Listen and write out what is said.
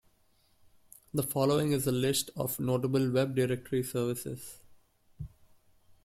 The following is a list of notable Web directory services.